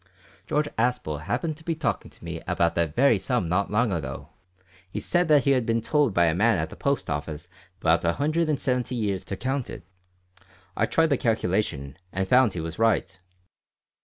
George Aspel happened to be talking to me about that very sum not long ago. He said he had been told by a man at the Post Office that it would take a man about a hundred and seventy years to count it. I tried the calculation, and found he was right.